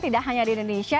tidak hanya di indonesia